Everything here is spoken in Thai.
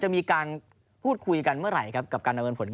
จะมีการพูดคุยกันเมื่อไหร่ครับกับการดำเนินผลงาน